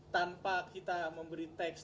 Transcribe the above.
tanpa kita memberi text